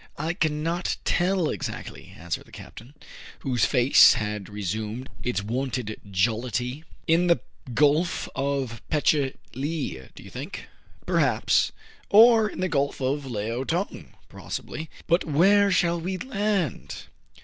" I cannot tell exactly," answered the captain, whose face had resumed its wonted jollity. " In the Gulf of Pe che lee, do you think ?"" Perhaps." " Or in the Gulf of Leao Tong >" T^ossibly." " But where shall we land